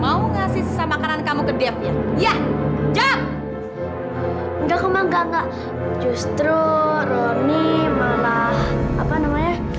mau ngasih sama kanan kamu ke dev ya ya jawab enggak enggak enggak justru rony malah apa namanya